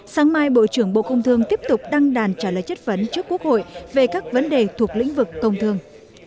sáng mai bộ trưởng bộ công thương tiếp tục đăng đàn trả lời chất vấn trước quốc hội về các vấn đề thuộc lĩnh vực công thương